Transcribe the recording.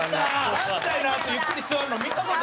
漫才のあとゆっくり座るの見た事ない。